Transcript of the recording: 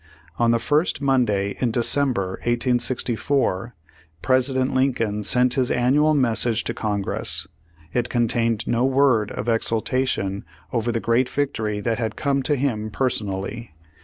On the first Monday in December, 1864, Presi dent Lincoln sent his annual message to Congress. It contained no word of exultation over the great victory that had come to him personally.